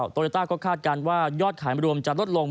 โตโยต้าก็คาดการณ์ว่ายอดขายรวมจะลดลง